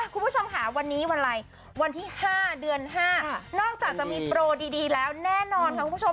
คุณผู้ชมค่ะวันที่๕เดือน๕นอกจากจะมีโปรดีแล้วแน่นอนค่ะคุณผู้ชม